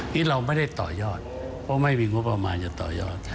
ที่เราไม่ได้ต่อยอดเพราะไม่มีงบประมาณจะต่อยอด